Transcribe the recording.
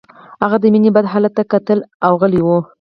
هغه د مينې بد حالت ته کتل او غلی و